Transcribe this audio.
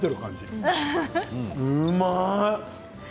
うまい。